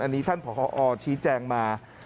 อันนี้ท่านผอชี้แจงมา